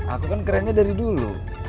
aku kan kerennya dari dulu